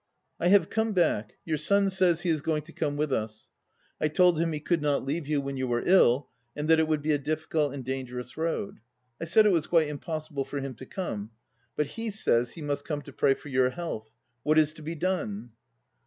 I have come back, your son says he is going to come with us. I told him he could not leave you when you were ill and that it would be a difficult and dangerous road. I said it was quite impos sible for him to come. But he says he must come to pray for your health. What is to be done?